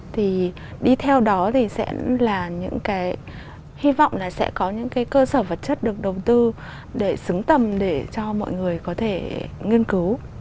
thì đi theo đó thì sẽ là những cái hy vọng là sẽ có những cái cơ sở vật chất được đầu tư để xứng tầm để cho mọi người có thể nghiên cứu